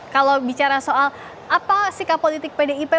kalau bicara soal apa sikap politik pdip